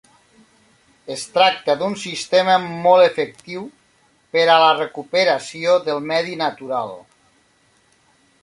Es tracta d'un sistema molt efectiu per a la recuperació del medi natural.